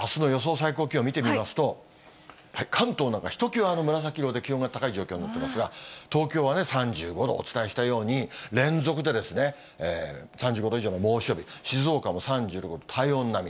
最高気温見てみますと、関東なんかひときわ、紫色で気温が高い状況になってますが、東京は３５度、お伝えしたように、連続で３５度以上の猛暑日、静岡も３６度、体温並み。